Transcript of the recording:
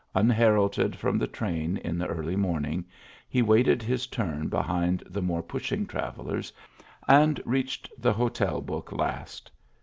Unheralded from the train in the early morning, he waited his turn behind the more pushing travellers, and reached the hotel book last.